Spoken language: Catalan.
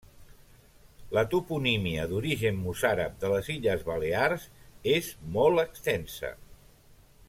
La toponímia d'origen mossàrab de les Illes Balears és molt extensa.